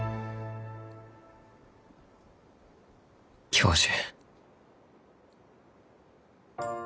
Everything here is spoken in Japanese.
教授。